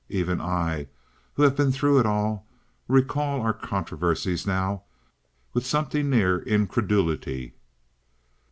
Even I, who have been through it all, recall our controversies now with something near incredulity.